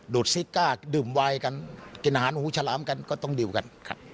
ซิก้าดื่มวายกันกินอาหารหูฉลามกันก็ต้องดิวกัน